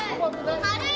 軽い。